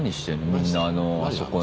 みんなあのあそこの。